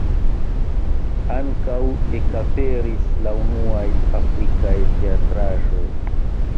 Ankaŭ ekaperis la unuaj afrikaj teatraĵoj.